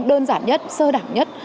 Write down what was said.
đơn giản nhất sơ đẳng nhất